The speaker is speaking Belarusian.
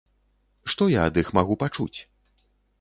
Што я ад іх магу пачуць?